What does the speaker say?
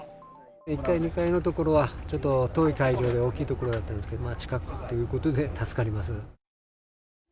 １回目、２回目の所は遠い会場で大きいところだったんですけども、近くということで助かります。